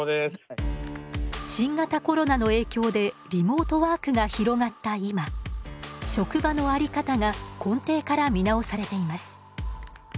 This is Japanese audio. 新型コロナの影響でリモートワークが広がった今職場のあり方が根底から見直されています。